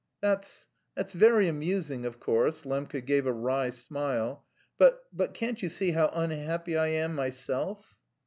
'" "That's... that's very amusing, of course" Lembke gave a wry smile "but... but can't you see how unhappy I am myself?"